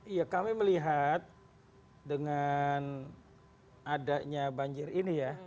iya kami melihat dengan adanya banjir ini ya